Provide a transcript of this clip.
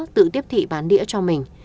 tự tiếp thị bán đĩa cho mình